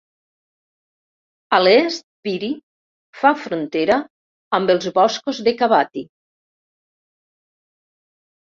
A l'est, Pyry fa frontera amb els boscos de Kabaty.